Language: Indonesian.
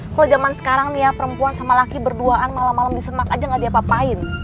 kalo jaman sekarang nih ya perempuan sama laki berduaan malam malam di semak aja gak diapapain